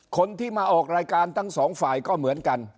คนที่มาออกรายการทั้งสองฝ่ายก็เหมือนกัน